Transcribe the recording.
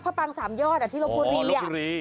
พระปรางสามยอดที่โรโพรี